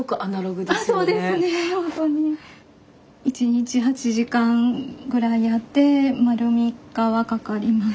１日８時間ぐらいやって丸３日はかかります。